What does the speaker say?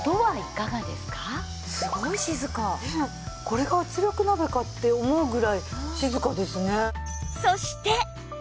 これが圧力鍋かって思うぐらい静かですね。